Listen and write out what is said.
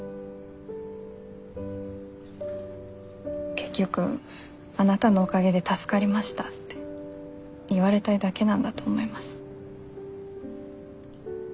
結局あなたのおかげで助かりましたって言われたいだけなんだと思います。